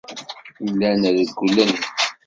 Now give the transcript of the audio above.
Llan rewwlen.